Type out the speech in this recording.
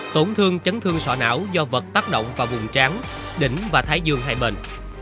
tổn thương chấn thương sọ não do vật tác động vào vùng tráng đỉnh và thái dương hai bên